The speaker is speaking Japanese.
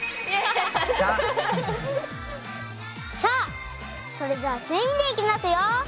さあそれじゃあ全員でいきますよ。